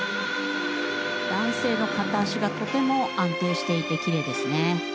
男性の片足がとても安定していてきれいですね。